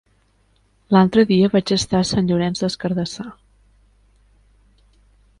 L'altre dia vaig estar a Sant Llorenç des Cardassar.